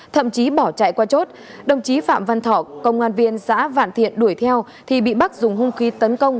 thậm chí bỏ chạy qua chốt đồng chí phạm văn thọ công an viên xã vạn thiện đuổi theo thì bị bắc dùng hung khí tấn công